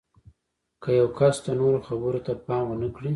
که یو کس د نورو خبرو ته پام ونه کړي